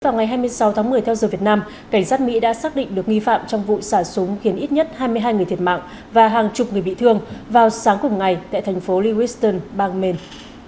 vào ngày hai mươi sáu tháng một mươi theo giờ việt nam cảnh sát mỹ đã xác định được nghi phạm trong vụ xả súng khiến ít nhất hai mươi hai người thiệt mạng và hàng chục người bị thương vào sáng cùng ngày tại thành phố lewiston bang maine